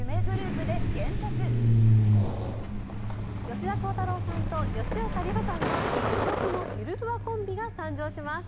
吉田鋼太郎さんと吉岡里帆さんの異色のゆるふわコンビが誕生します。